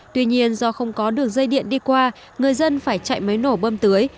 tuy nhiên do không có đường dây điện đi qua người dân phải chạy máy nổ bơm tưới